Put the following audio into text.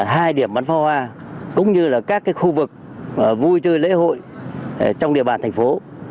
hai điểm bắn pháo hoa cũng như là các khu vực vui chơi lễ hội trong địa bàn thành phố